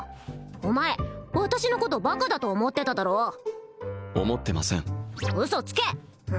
お前私のことバカだと思ってただろ思ってませんウソつけ！